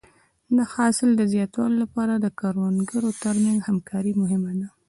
د حاصل د زیاتوالي لپاره د کروندګرو تر منځ همکاري مهمه ده.